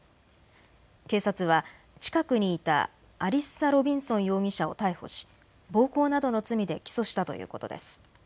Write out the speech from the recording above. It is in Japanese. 警察は近くにいたアリッサ・ロビンソン容疑者を逮捕し暴行などの罪で起訴したということです。